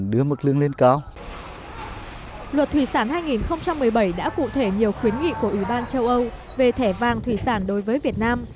luật thủy sản hai nghìn một mươi bảy đã cụ thể nhiều khuyến nghị của ủy ban châu âu về thẻ vàng thủy sản đối với việt nam